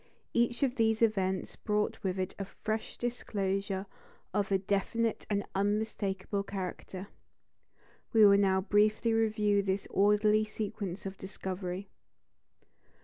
Each of these events brought with it a fresh disclosure of a definite and unmistakable character. We will now briefly review this orderly sequence of discovery.